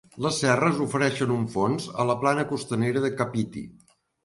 Les serres ofereixen un fons a la plana costanera de Kapiti.